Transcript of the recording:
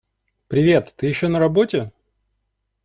Привет! Ты ещё на работе?